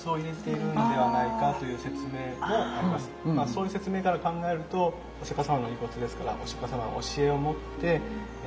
そういう説明から考えるとお釈様の遺骨ですからお釈様の教えを持って未来へですね